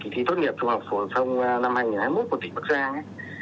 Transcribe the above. thì tốt nghiệp trung học phổ thông năm hai nghìn hai mươi một của tỉnh bắc giang